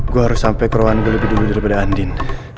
gue harus sampai ke ruangan gue lebih dulu daripada andin